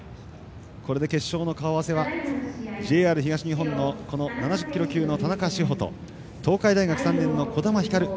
これで決勝の顔合わせはＪＲ東日本のこの７０キロ級の田中志歩と東海大学３年の児玉ひかる。